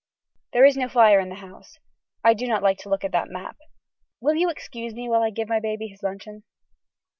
There is no fire in the house. I do not like to look at that map. Will you excuse me while I give my baby his luncheon.